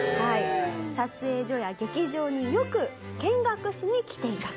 撮影所や劇場によく見学しに来ていたという事なんです。